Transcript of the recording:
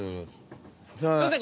すいません